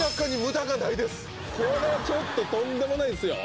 これちょっととんでもないっすよ